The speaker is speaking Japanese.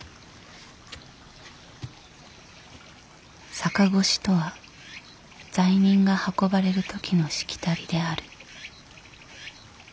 逆輿とは罪人が運ばれる時のしきたりである。